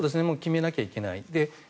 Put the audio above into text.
もう決めなきゃいけない。